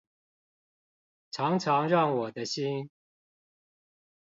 常常讓我的心